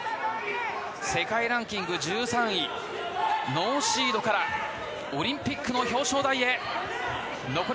世界ランキング１３位ノーシードからオリンピックの表彰台へ。